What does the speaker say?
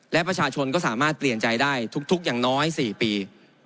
และประชาชนก็สามารถเปลี่ยนใจได้ทุกอย่างน้อย๔ปี